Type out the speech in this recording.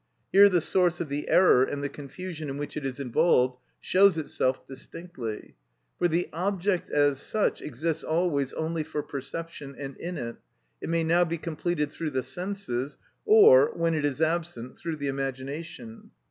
Here the source of the error and the confusion in which it is involved shows itself distinctly. For the object as such exists always only for perception and in it; it may now be completed through the senses, or, when it is absent, through the imagination.